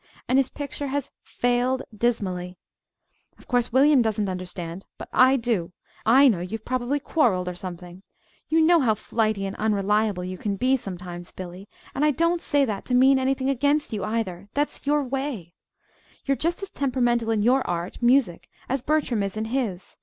And his picture has failed dismally. Of course William doesn't understand; but I do. I know you've probably quarrelled, or something. You know how flighty and unreliable you can be sometimes, Billy, and I don't say that to mean anything against you, either that's your way. You're just as temperamental in your art, music, as Bertram is in his.